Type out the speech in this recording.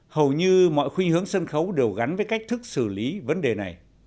hầu như mọi khuyên hướng sân khấu đều gắn với cách thức xử lý vấn đề này